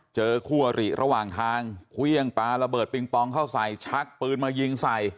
เจอคู่อริระหว่างทางเครื่องปลาระเบิดปิงปองเข้าใส่ชักปืนมายิงใส่